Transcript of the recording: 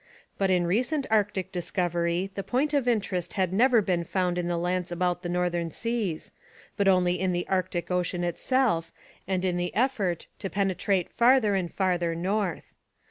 But in recent Arctic discovery the point of interest had never been found in the lands about the northern seas, but only in the Arctic ocean itself and in the effort to penetrate farther and farther north.